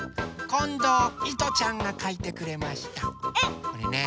こんどういとちゃんがかいてくれました。